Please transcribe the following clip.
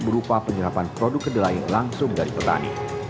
berupa penyerapan produk kedelai langsung dari petani